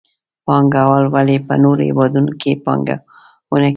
پانګوال ولې په نورو هېوادونو کې پانګونه کوي؟